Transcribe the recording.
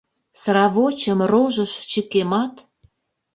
Сравочым рожыш чыкемат...